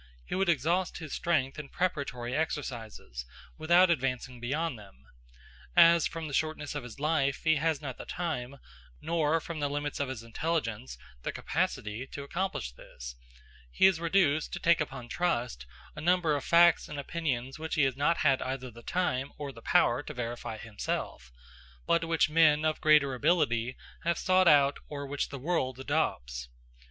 He would exhaust his strength in preparatory exercises, without advancing beyond them. As, from the shortness of his life, he has not the time, nor, from the limits of his intelligence, the capacity, to accomplish this, he is reduced to take upon trust a number of facts and opinions which he has not had either the time or the power to verify himself, but which men of greater ability have sought out, or which the world adopts.